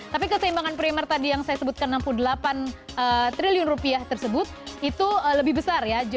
tapi keseimbangan primer tadi yang saya sebutkan enam puluh delapan triliun rupiah tersebut itu lebih besar ya